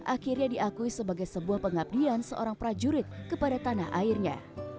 akhirnya diakui sebagai sebuah pengabdian seorang prajurit kepada tanah airnya